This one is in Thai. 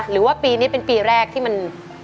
หรือว่าปีนี้เป็นปีแรกที่มัน